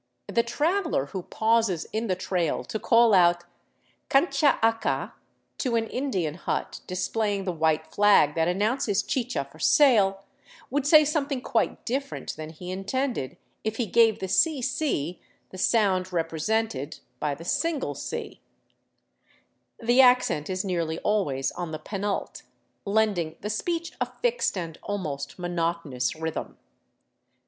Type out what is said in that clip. The traveler who pauses in the trail to call out " Cancha acca?" to an Indian hut displaying the white flag that announces chicha for sale, would say something quite dif ferent than he intended if he gave the cc the sound represented by the single c. The accent is nearly always on the penult, lending the speech a fixed and almost monotonous rhythm.